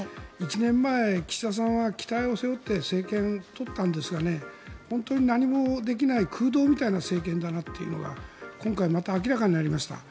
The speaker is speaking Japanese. １年前、岸田さんは期待をされて政権を取ったんですが本当に何もできない空洞みたいな政権だなっていうのが今回、また明らかになりました。